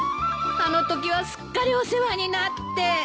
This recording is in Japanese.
あのときはすっかりお世話になって。